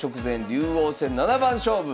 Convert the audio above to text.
竜王戦七番勝負」。